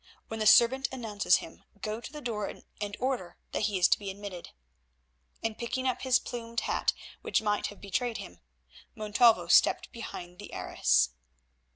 When the servant announces him go to the door and order that he is to be admitted," and picking up his plumed hat, which might have betrayed him, Montalvo stepped behind the arras.